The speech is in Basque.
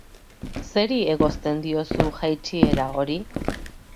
Zeri egozten diozu jaitsiera hori?